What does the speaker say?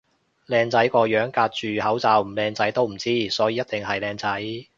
靚仔個樣隔住口罩唔靚仔都唔知，所以一定係靚仔